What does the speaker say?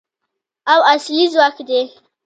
او اصلي ځواک دی.